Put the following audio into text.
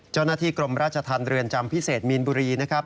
เจ้าหน้าที่กรมราชธรรมเรือนจำพิเศษมีนบุรีนะครับ